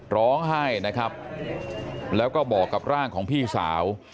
ร้องไห้นะครับแล้วก็บอกกับร่างของพี่สาว